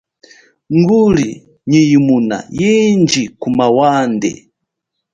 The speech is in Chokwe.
Nguli nyi yimuna yindji kuma wande.